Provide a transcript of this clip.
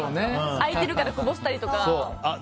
開いてるからこぼしたりとか。